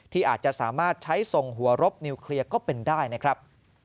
ที่อาจจะสามารถใช้ส่งหัวรบนิวเคลียร์ก็เป็นได้นะครับ